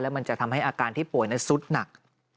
มันจะทำให้อาการที่ป่วยนั้นสุดหนัก